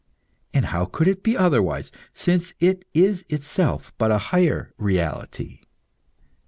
And how could it be otherwise, since it is itself but a higher reality?